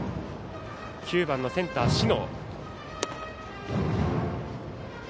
９番のセンター、小竹。